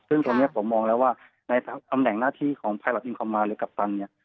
ซึ่งตรงนี้ผมมองแล้วว่าในตำแหน่งหน้าที่ของไพรอตอินคอมมาหรือกัปตันเนี่ย